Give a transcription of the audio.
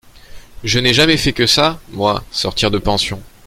Je n’ai jamais fait que ça, moi, sortir de pension.